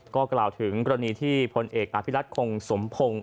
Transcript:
ก็กล่าวถึงกรณีที่พลเอกอภิรัตคงสมพงศ์